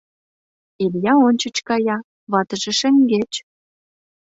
Илья ончыч кая, ватыже — шеҥгеч.